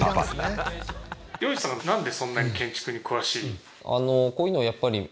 余一さんなんでそんなに建築に詳しい？